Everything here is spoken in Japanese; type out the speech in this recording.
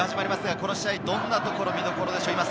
この試合、どんなところが見どころでしょうか？